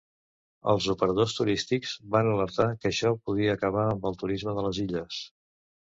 Els operadors turístics van alertar que això podria acabar amb el turisme de les illes.